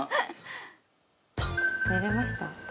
寝れました？